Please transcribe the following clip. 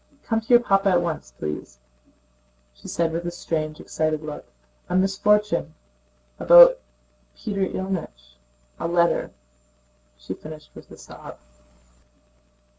"Come to your Papa at once, please!" said she with a strange, excited look. "A misfortune... about Peter Ilýnich... a letter," she finished with a sob.